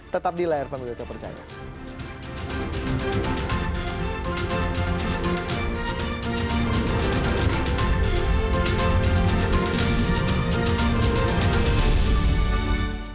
tetap di layar pemilu terpercaya